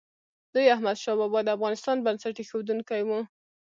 لوی احمدشاه بابا د افغانستان بنسټ ایښودونکی و.